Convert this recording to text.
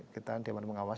kita dewan pengawas